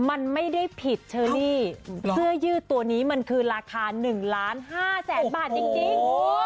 มันไม่ได้ผิดเชอรี่เสื้อยืดตัวนี้มันคือราคา๑ล้านห้าแสนบาทจริง